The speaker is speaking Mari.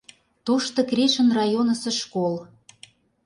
Тошто Крешын районысо школ.